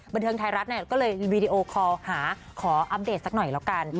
บันเทิงไทยรัฐก็เลยวีดีโอคอลหาขออัปเดตสักหน่อยแล้วกัน